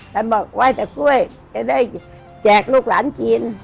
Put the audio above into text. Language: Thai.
ท่านบอกไหว้แต่กล้วยจะได้เเจอร์ลูกหลานจีน